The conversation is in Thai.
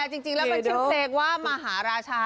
จริงแล้วมันชื่อเพลงว่ามหาราชา